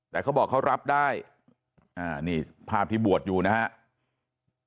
แต่เขาบอกเขารับได้นี่ภาพที่บวชอยู่นะครับ